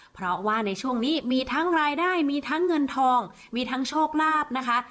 เพราะว่าในช่วงนี้มีทั้งรายได้มีทั้งเงินทองมีทั้งโชคลาภนะคะ